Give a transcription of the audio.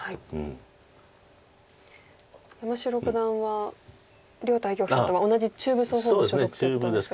山城九段は両対局者とは同じ中部総本部所属ということですが。